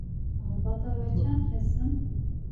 Malbata we çend kes in?